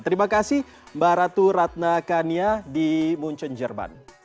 terima kasih mbak ratu ratna kania di munchen jerman